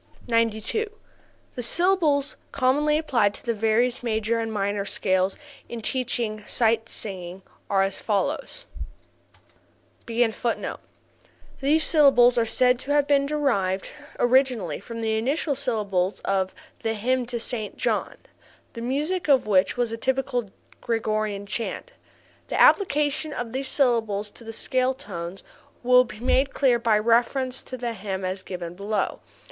92. The syllables commonly applied to the various major and minor scales in teaching sight singing are as follows: [Footnote 16: These syllables are said to have been derived originally from the initial syllables of the "Hymn to Saint John," the music of which was a typical Gregorian chant. The application of these syllables to the scale tones will be made clear by reference to this hymn as given below.